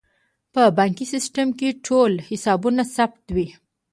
په بانکي سیستم کې ټول حسابونه ثبت وي.